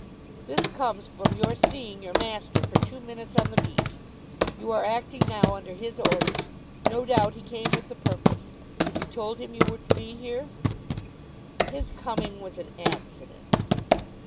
"This comes from your seeing your master for two minutes on the beach. You are acting now under his orders. No doubt he came with the purpose. Had you told him you were to be here?" "His coming was an accident."